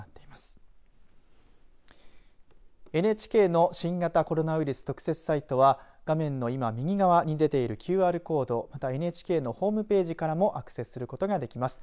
ＮＨＫの新型コロナウイルス特設サイトは画面の今右側に出ているＱＲコードまたは、ＮＨＫのホームページからもアクセスすることができます。